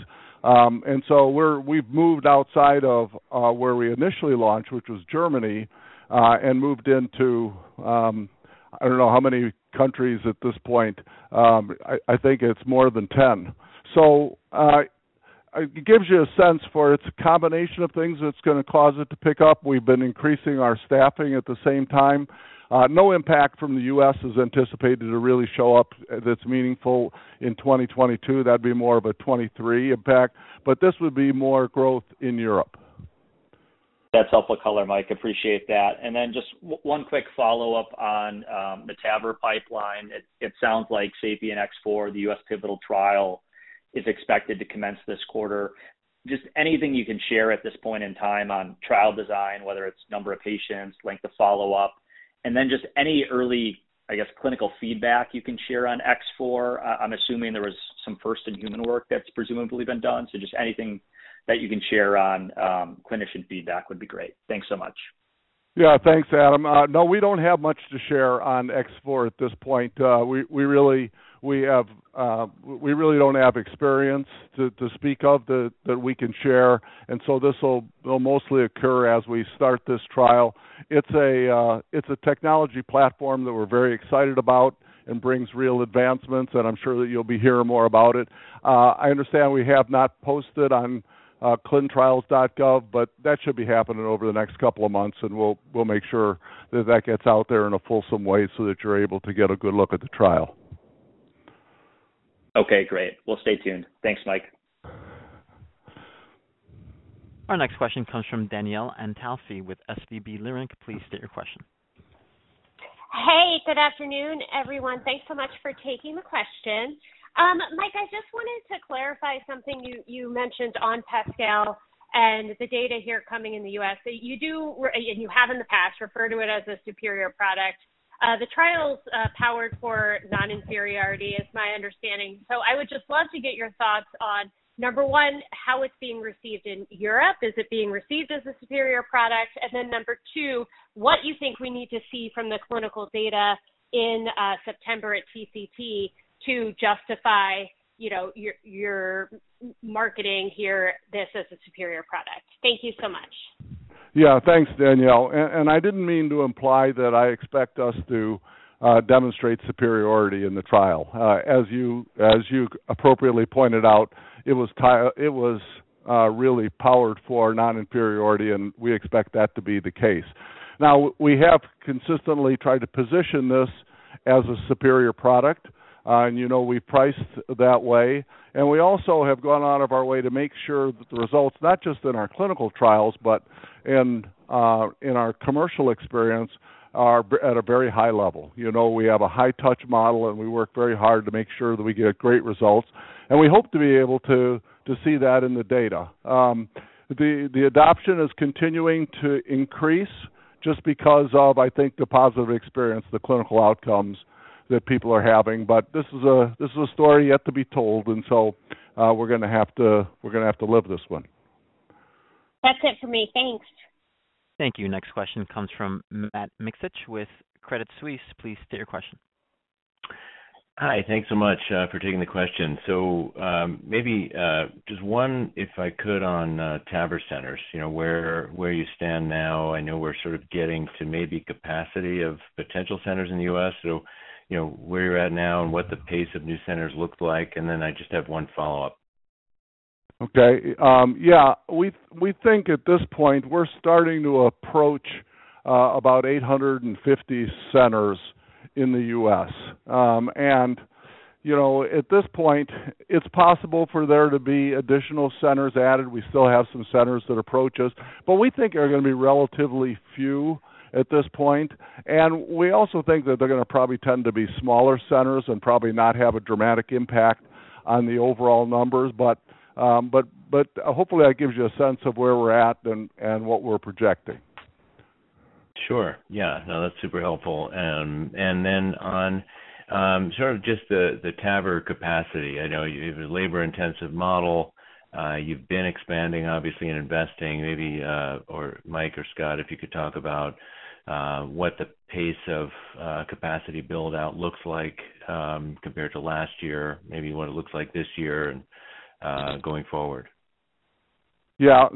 We've moved outside of where we initially launched, which was Germany, and moved into I don't know how many countries at this point. I think it's more than 10. It gives you a sense of how it's a combination of things that's gonna cause it to pick up. We've been increasing our staffing at the same time. No impact from the U.S. is anticipated to really show up, that's meaningful in 2022. That'd be more of a 2023 impact. This would be more growth in Europe. That's helpful color, Mike. Appreciate that. Then just one quick follow-up on the TAVR pipeline. It sounds like SAPIEN X4, the U.S. pivotal trial, is expected to commence this quarter. Just anything you can share at this point in time on trial design, whether it's number of patients, length of follow-up. Then just any early, I guess, clinical feedback you can share on X4. I'm assuming there was some first in human work that's presumably been done. Just anything that you can share on clinician feedback would be great. Thanks so much. Yeah. Thanks, Adam. No, we don't have much to share on X4 at this point. We really don't have experience to speak of that we can share. This will mostly occur as we start this trial. It's a technology platform that we're very excited about and brings real advancements, and I'm sure that you'll be hearing more about it. I understand we have not posted on clinicaltrials.gov, but that should be happening over the next couple of months, and we'll make sure that that gets out there in a fulsome way so that you're able to get a good look at the trial. Okay. Great. We'll stay tuned. Thanks, Mike. Our next question comes from Danielle Antalffy with SVB Leerink. Please state your question. Hey, good afternoon, everyone. Thanks so much for taking the question. Mike, I just wanted to clarify something you mentioned on PASCAL and the data here coming in the U.S. You do and you have in the past referred to it as a superior product. The trial's powered for non-inferiority is my understanding. I would just love to get your thoughts on number one, how it's being received in Europe. Is it being received as a superior product? Number two, what you think we need to see from the clinical data in September at TCT to justify your marketing of this as a superior product. Thank you so much. Yeah. Thanks, Danielle. I didn't mean to imply that I expect us to demonstrate superiority in the trial. As you appropriately pointed out, it was really powered for non-inferiority, and we expect that to be the case. Now we have consistently tried to position this as a superior product, and you know, we priced that way. We also have gone out of our way to make sure that the results, not just in our clinical trials, but in our commercial experience are at a very high level. You know, we have a high touch model, and we work very hard to make sure that we get great results. We hope to be able to see that in the data. The adoption is continuing to increase just because of, I think, the positive experience, the clinical outcomes that people are having. This is a story yet to be told. We're gonna have to live this one. That's it for me. Thanks. Thank you. Next question comes from Matt Miksic with Credit Suisse. Please state your question. Hi. Thanks so much for taking the question. Maybe just one, if I could, on TAVR centers. You know, where you stand now. I know we're sort of getting to maybe capacity of potential centers in the U.S. You know, where you're at now and what the pace of new centers look like. Then I just have one follow-up. Okay. Yeah, we think at this point, we're starting to approach about 850 centers in the U.S. You know, at this point, it's possible for there to be additional centers added. We still have some centers that approach us. We think are gonna be relatively few at this point. We also think that they're gonna probably tend to be smaller centers and probably not have a dramatic impact on the overall numbers. Hopefully that gives you a sense of where we're at and what we're projecting. Sure. Yeah. No, that's super helpful. On sort of just the TAVR capacity. I know you have a labor-intensive model. You've been expanding, obviously, and investing. Maybe or Mike or Scott, if you could talk about what the pace of capacity build-out looks like compared to last year, maybe what it looks like this year and going forward. Yeah.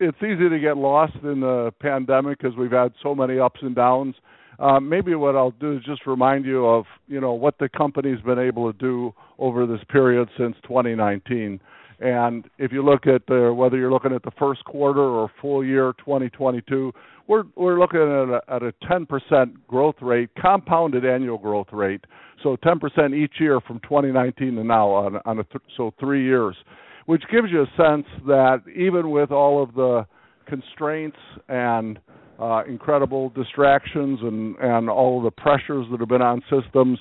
It's easy to get lost in the pandemic 'cause we've had so many ups and downs. Maybe what I'll do is just remind you of what the company's been able to do over this period since 2019. If you look at whether you're looking at the first quarter or full year, 2022, we're looking at a 10% growth rate, compounded annual growth rate. 10% each year from 2019 to now so 3 years. Which gives you a sense that even with all of the constraints and incredible distractions and all of the pressures that have been on systems,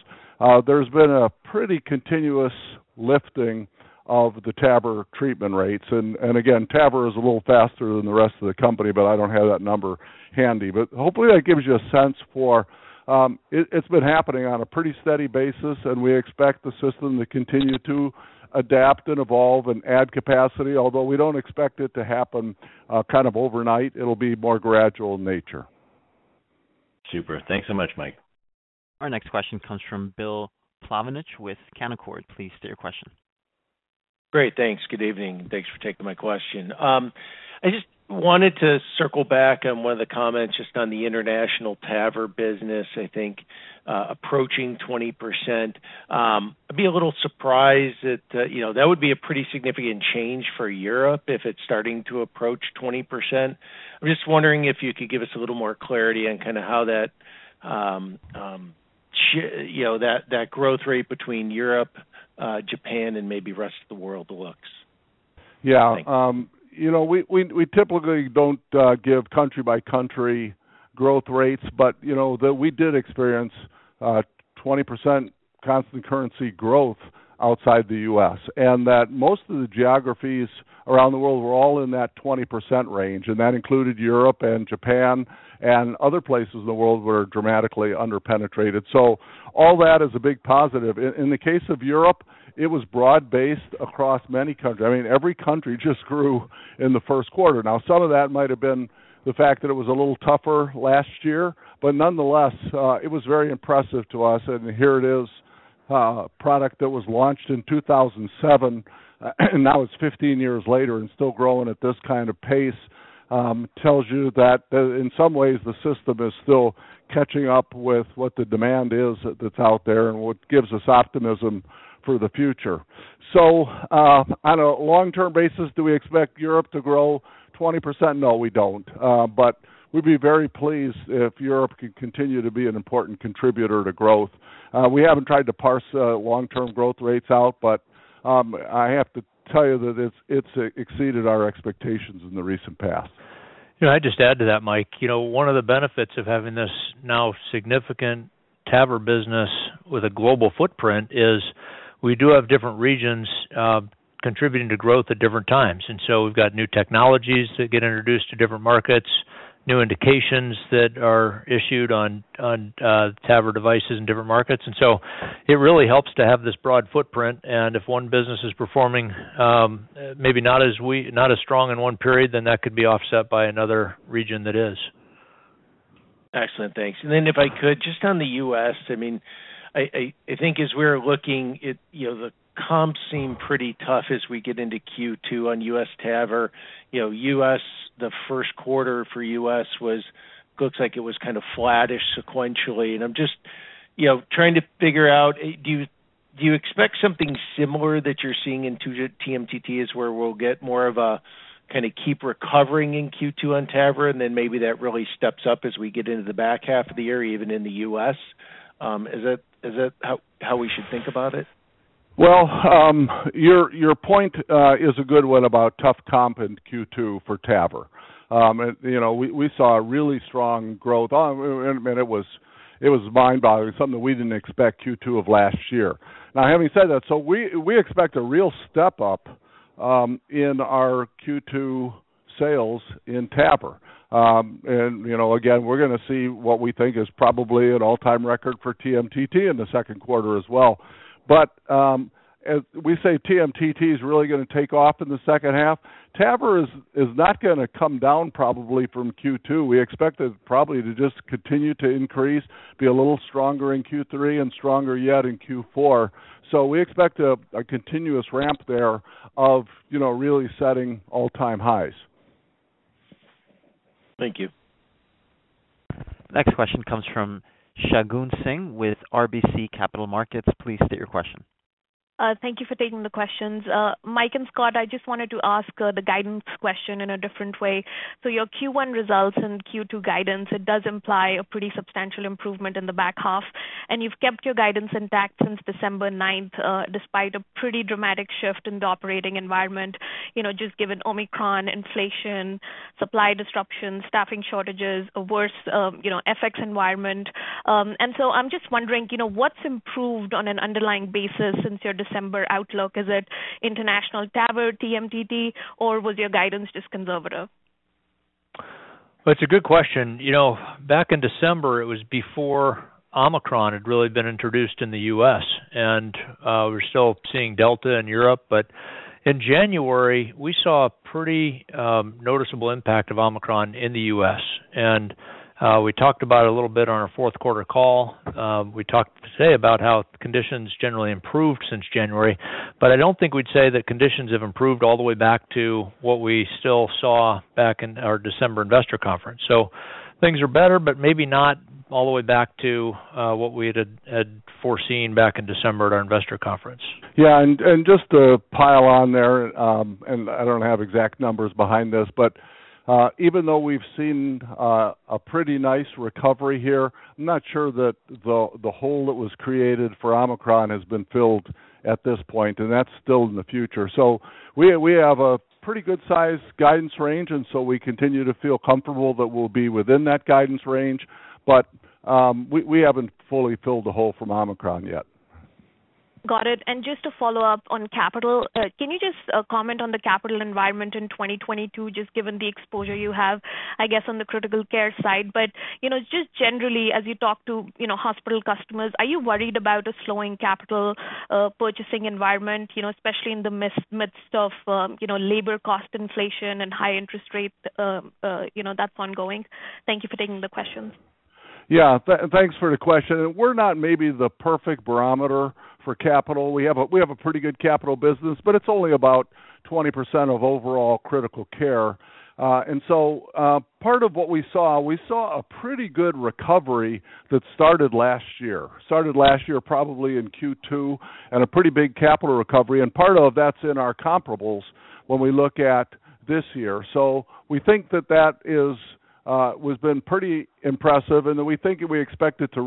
there's been a pretty continuous lifting of the TAVR treatment rates. TAVR is a little faster than the rest of the company, but I don't have that number handy. Hopefully, that gives you a sense for it. It's been happening on a pretty steady basis, and we expect the system to continue to adapt and evolve and add capacity. Although we don't expect it to happen kind of overnight. It'll be more gradual in nature. Super. Thanks so much, Mike. Our next question comes from Bill Plovanic with Canaccord. Please state your question. Great. Thanks. Good evening. Thanks for taking my question. I just wanted to circle back on one of the comments just on the international TAVR business, I think, approaching 20%. I'd be a little surprised that, you know, that would be a pretty significant change for Europe if it's starting to approach 20%. I'm just wondering if you could give us a little more clarity on kinda how that, you know, that growth rate between Europe, Japan and maybe rest of the world looks. Yeah. Thanks. You know, we typically don't give country by country growth rates, but you know that we did experience 20% constant currency growth outside the U.S. That most of the geographies around the world were all in that 20% range, and that included Europe and Japan and other places in the world were dramatically underpenetrated. All that is a big positive. In the case of Europe, it was broad-based across many countries. I mean, every country just grew in the first quarter. Now, some of that might have been the fact that it was a little tougher last year, but nonetheless, it was very impressive to us. Here it is, a product that was launched in 2007, and now it's 15 years later and still growing at this kind of pace, tells you that in some ways the system is still catching up with what the demand is that's out there and what gives us optimism for the future. On a long-term basis, do we expect Europe to grow 20%? No, we don't. But we'd be very pleased if Europe can continue to be an important contributor to growth. We haven't tried to parse long-term growth rates out, but I have to tell you that it's exceeded our expectations in the recent past. You know, I just add to that, Mike. You know, one of the benefits of having this now significant TAVR business with a global footprint is we do have different regions contributing to growth at different times. We've got new technologies that get introduced to different markets, new indications that are issued on TAVR devices in different markets. It really helps to have this broad footprint. If one business is performing, maybe not as strong in one period, then that could be offset by another region that is. Excellent. Thanks. If I could, just on the U.S., I mean, I think as we're looking at it, you know, the comps seem pretty tough as we get into Q2 on U.S. TAVR. You know, U.S., the first quarter for U.S. looks like it was kind of flattish sequentially. I'm just. You know, trying to figure out, do you expect something similar that you're seeing in TMTT is where we'll get more of a kind of keep recovering in Q2 on TAVR and then maybe that really steps up as we get into the back half of the year, even in the U.S. Is that how we should think about it? Well, your point is a good one about tough comp in Q2 for TAVR. You know, we saw a really strong growth and I mean, it was mind-boggling, something we didn't expect Q2 of last year. Now, having said that, we expect a real step up in our Q2 sales in TAVR. You know, again, we're gonna see what we think is probably an all-time record for TMTT in the second quarter as well. As we say, TMTT is really gonna take off in the second half. TAVR is not gonna come down probably from Q2. We expect it probably to just continue to increase, be a little stronger in Q3 and stronger yet in Q4. We expect a continuous ramp there of, you know, really setting all-time highs. Thank you. Next question comes from Shagun Singh with RBC Capital Markets. Please state your question. Thank you for taking the questions. Mike and Scott, I just wanted to ask the guidance question in a different way. Your Q1 results and Q2 guidance, it does imply a pretty substantial improvement in the back half, and you've kept your guidance intact since December 9, despite a pretty dramatic shift in the operating environment, you know, just given Omicron, inflation, supply disruptions, staffing shortages, a worse, you know, FX environment. I'm just wondering, you know, what's improved on an underlying basis since your December outlook? Is it international TAVR, TMTT, or was your guidance just conservative? That's a good question. You know, back in December, it was before Omicron had really been introduced in the U.S. We're still seeing Delta in Europe. In January, we saw a pretty noticeable impact of Omicron in the U.S., and we talked about a little bit on our fourth quarter call. We talked today about how conditions generally improved since January, but I don't think we'd say that conditions have improved all the way back to what we still saw back in our December investor conference. Things are better, but maybe not all the way back to what we had foreseen back in December at our investor conference. Yeah. Just to pile on there, and I don't have exact numbers behind this, but even though we've seen a pretty nice recovery here, I'm not sure that the hole that was created for Omicron has been filled at this point, and that's still in the future. We have a pretty good size guidance range, and so we continue to feel comfortable that we'll be within that guidance range. We haven't fully filled the hole from Omicron yet. Got it. Just to follow up on capital, can you just comment on the capital environment in 2022, just given the exposure you have, I guess, on the Critical Care side? You know, just generally, as you talk to, you know, hospital customers, are you worried about a slowing capital purchasing environment, you know, especially in the midst of, you know, labor cost inflation and high interest rate, you know, that's ongoing? Thank you for taking the questions. Yeah. Thanks for the question. We're not maybe the perfect barometer for capital. We have a pretty good capital business, but it's only about 20% of overall Critical Care. Part of what we saw a pretty good recovery that started last year, probably in Q2, and a pretty big capital recovery, and part of that's in our comparables when we look at this year. We think that has been pretty impressive, and we think we expect it to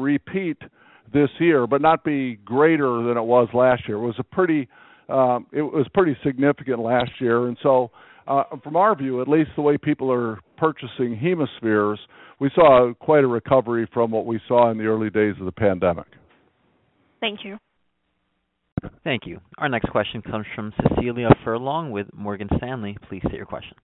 repeat this year but not be greater than it was last year. It was pretty significant last year. From our view, at least the way people are purchasing HemoSphere, we saw quite a recovery from what we saw in the early days of the pandemic. Thank you. Thank you. Our next question comes from Cecilia Furlong with Morgan Stanley. Please state your question.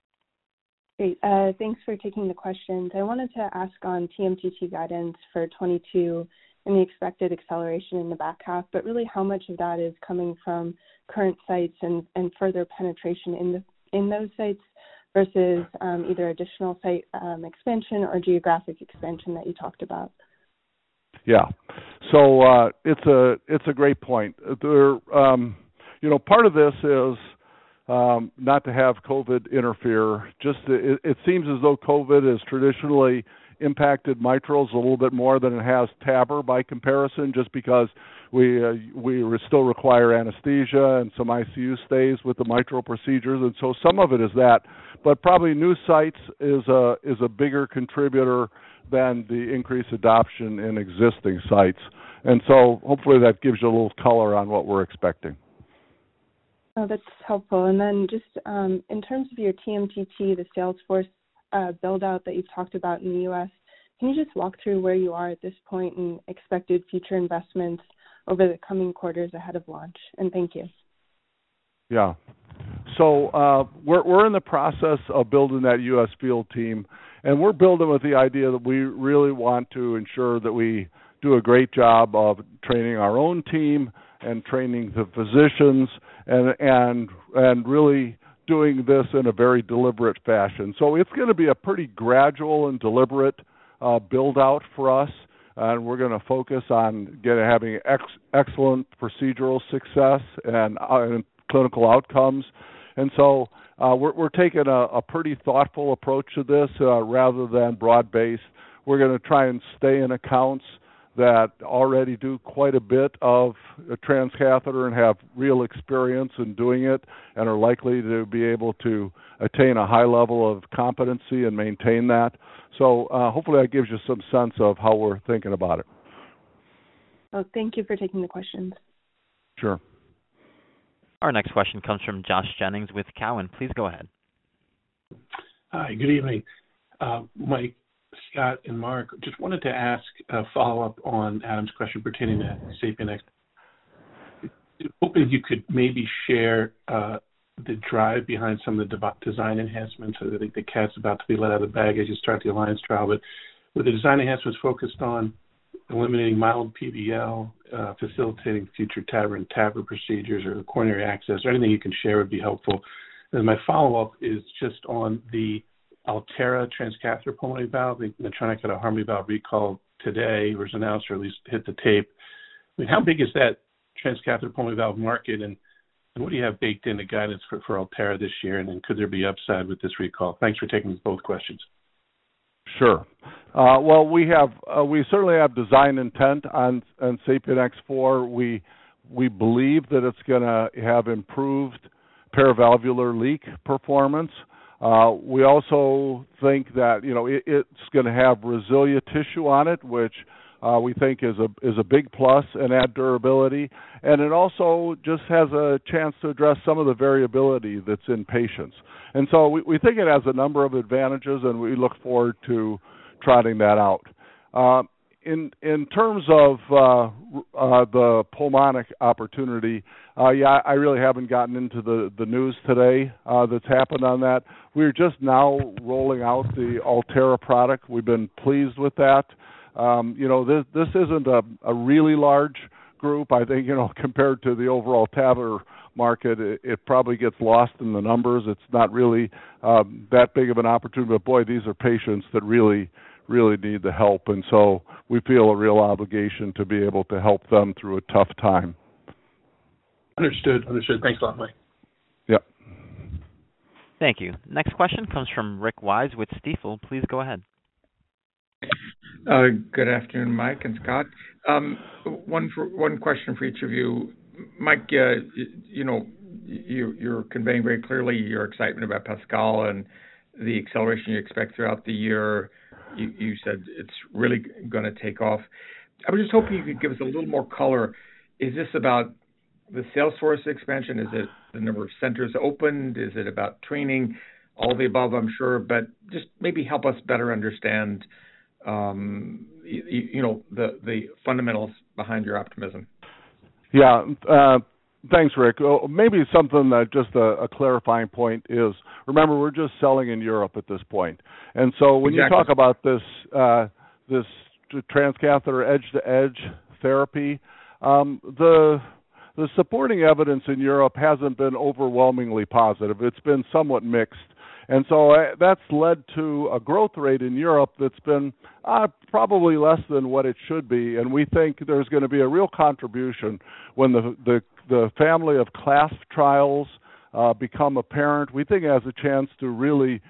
Great. Thanks for taking the questions. I wanted to ask on TMTT guidance for 2022 and the expected acceleration in the back half, but really how much of that is coming from current sites and further penetration in the, in those sites versus either additional site expansion or geographic expansion that you talked about? Yeah. It's a great point. There, you know, part of this is not to have COVID interfere. It seems as though COVID has traditionally impacted mitral a little bit more than it has TAVR by comparison, just because we still require anesthesia and some ICU stays with the mitral procedures. Some of it is that. But probably new sites is a bigger contributor than the increased adoption in existing sites. Hopefully that gives you a little color on what we're expecting. Oh, that's helpful. Just, in terms of your TMTT, the sales force build-out that you talked about in the U.S., can you just walk through where you are at this point and expected future investments over the coming quarters ahead of launch? Thank you. Yeah. We're in the process of building that U.S. field team, and we're building with the idea that we really want to ensure that we do a great job of training our own team and training the physicians and really doing this in a very deliberate fashion. It's gonna be a pretty gradual and deliberate build-out for us, and we're gonna focus on having excellent procedural success and clinical outcomes. We're taking a pretty thoughtful approach to this rather than broad-based. We're gonna try and stay in accounts that already do quite a bit of transcatheter and have real experience in doing it, and are likely to be able to attain a high level of competency and maintain that. Hopefully, that gives you some sense of how we're thinking about it. Well, thank you for taking the questions. Sure. Our next question comes from Josh Jennings with Cowen. Please go ahead. Hi. Good evening. Mike, Scott, and Mark, just wanted to ask a follow-up on Adam's question pertaining to SAPIEN X4. Hoping you could maybe share the drive behind some of the redesign enhancements. I think the cat's about to be let out of the bag as you start the ALLIANCE trial. Were the design enhancements focused on eliminating mild PVL, facilitating future TAVR-in-TAVR procedures or coronary access? Anything you can share would be helpful. My follow-up is just on the Alterra transcatheter pulmonary valve. The Medtronic Harmony valve recall today was announced, or at least hit the tape. I mean, how big is that transcatheter pulmonary valve market, and what do you have baked in the guidance for Alterra this year? And then could there be upside with this recall? Thanks for taking both questions. Sure. We certainly have design intent on SAPIEN X4. We believe that it's gonna have improved paravalvular leak performance. We also think that, you know, it's gonna have resilient tissue on it, which we think is a big plus in that durability. It also just has a chance to address some of the variability that's in patients. We think it has a number of advantages, and we look forward to trotting that out. In terms of the pulmonic opportunity, yeah, I really haven't gotten into the news today that's happened on that. We're just now rolling out the Alterra product. We've been pleased with that. You know, this isn't a really large group. I think, you know, compared to the overall TAVR market, it probably gets lost in the numbers. It's not really that big of an opportunity. Boy, these are patients that really need the help. We feel a real obligation to be able to help them through a tough time. Understood. Thanks a lot, Mike. Yep. Thank you. Next question comes from Rick Wise with Stifel. Please go ahead. Good afternoon, Mike and Scott. One question for each of you. Mike, you know, you're conveying very clearly your excitement about PASCAL and the acceleration you expect throughout the year. You said it's really gonna take off. I was just hoping you could give us a little more color. Is this about the Salesforce expansion? Is it the number of centers opened? Is it about training? All the above, I'm sure, but just maybe help us better understand, you know, the fundamentals behind your optimism. Yeah. Thanks, Rick. Well, maybe something that just a clarifying point is. Remember, we're just selling in Europe at this point. Exactly. When you talk about this transcatheter edge to edge therapy, the supporting evidence in Europe hasn't been overwhelmingly positive. It's been somewhat mixed. That's led to a growth rate in Europe that's been probably less than what it should be. We think there's gonna be a real contribution when the family of CLASP trials become apparent. We think it has a chance to really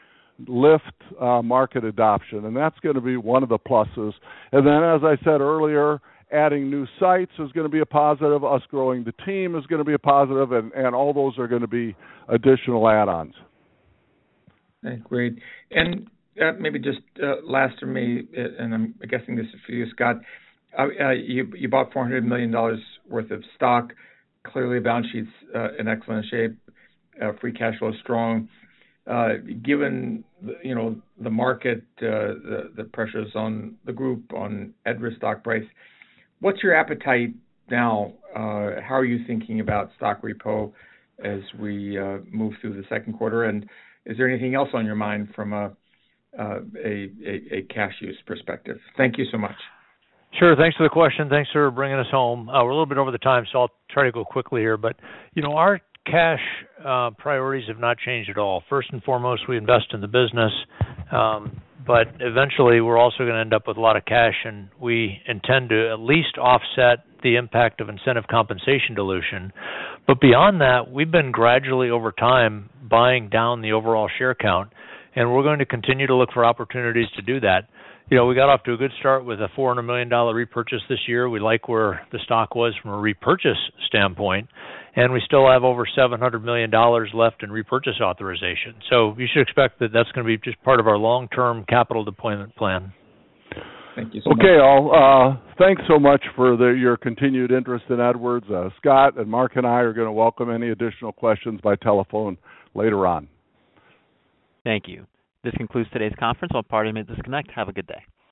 lift market adoption, and that's gonna be one of the pluses. As I said earlier, adding new sites is gonna be a positive. Our growing the team is gonna be a positive, and all those are gonna be additional add-ons. Okay, great. Maybe just last for me, and I'm guessing this is for you, Scott. You bought $400 million worth of stock. Clearly, your balance sheet's in excellent shape, free cash flow is strong. Given you know the market, the pressures on the group on Edwards' stock price, what's your appetite now? How are you thinking about stock repo as we move through the second quarter, and is there anything else on your mind from a cash use perspective? Thank you so much. Sure. Thanks for the question. Thanks for bringing us home. We're a little bit over the time, so I'll try to go quickly here. You know, our cash priorities have not changed at all. First and foremost, we invest in the business. Eventually, we're also gonna end up with a lot of cash, and we intend to at least offset the impact of incentive compensation dilution. Beyond that, we've been gradually, over time, buying down the overall share count, and we're going to continue to look for opportunities to do that. You know, we got off to a good start with a $400 million repurchase this year. We like where the stock was from a repurchase standpoint, and we still have over $700 million left in repurchase authorization. You should expect that that's gonna be just part of our long-term capital deployment plan. Thank you so much. Okay. Thanks so much for your continued interest in Edwards. Scott and Mark and I are gonna welcome any additional questions by telephone later on. Thank you. This concludes today's conference. All parties may disconnect. Have a good day.